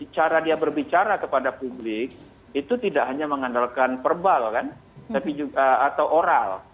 cara dia berbicara kepada publik itu tidak hanya mengandalkan verbal kan atau oral